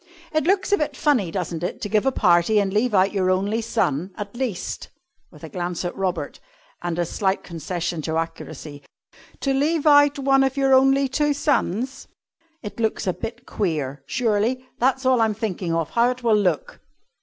It looks a bit funny, doesn't it, to give a party and leave out your only son, at least," with a glance at Robert, and a slight concession to accuracy "to leave out one of your only two sons? It looks a bit queer, surely. That's all I'm thinking of how it will look."